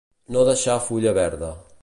No deixar fulla verda.